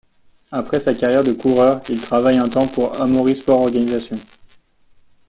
Après sa carrière de coureur, il travaille un temps pour Amaury Sport Organisation.